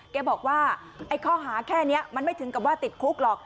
แกบอกว่าไอ้ข้อหาแค่นี้มันไม่ถึงกับว่าติดคุกหรอก